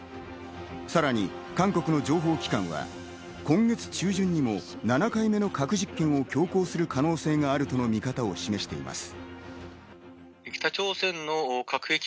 さらに韓国の情報機関は、今月中旬にも７回目の核実験を強行する可能性があるとの見方を示しています。